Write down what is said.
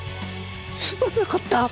すまなかった！